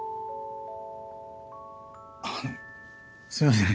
あっすみません。